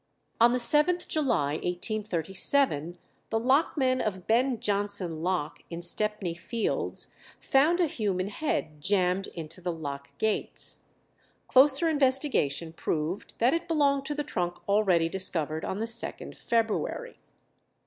On the 7th July, 1837, the lockman of "Ben Jonson lock," in Stepney Fields, found a human head jammed into the lock gates. Closer investigation proved that it belonged to the trunk already discovered on the 2nd February.